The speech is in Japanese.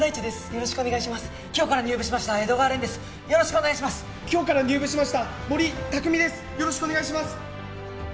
よろしくお願いします。